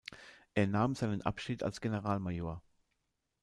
Er nahm seinen Abschied als Generalmajor.